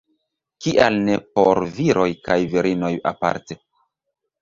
Kial ne por viroj kaj virinoj aparte?